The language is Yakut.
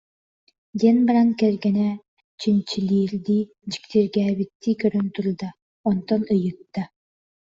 диэн баран кэргэнэ чинчилиирдии, дьиктиргээбиттии көрөн турда, онтон ыйытта